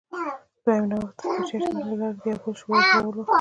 دویم نوښت د پچه اچونې له لارې د یوې بلې شورا جوړول و